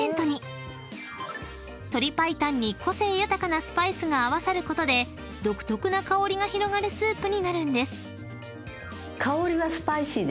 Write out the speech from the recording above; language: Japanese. ［鶏白湯に個性豊かなスパイスが合わさることで独特な香りが広がるスープになるんです］